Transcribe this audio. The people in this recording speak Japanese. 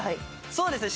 そうですね。